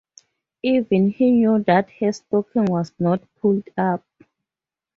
Even he knew that her stocking was not pulled up.